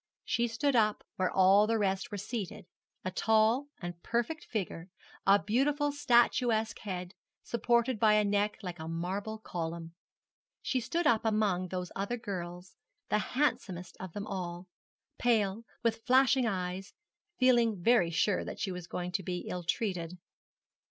She stood up where all the rest were seated, a tall and perfect figure, a beautiful statuesque head, supported by a neck like a marble column. She stood up among all those other girls the handsomest of them all, pale, with flashing eyes, feeling very sure that she was going to be ill treated.